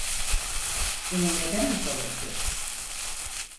Bunu neden yapalım ki?